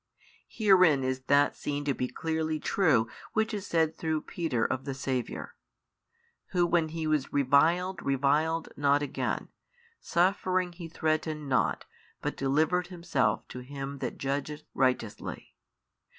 Herein is that seen to be clearly true which is said through Peter of the Saviour, Who when He was reviled reviled not again, suffering He threatened not but delivered Himself to Him That judgeth righteously.